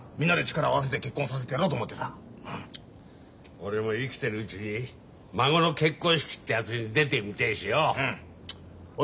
俺も生きてるうちに孫の結婚式ってやつに出てみてえしよ。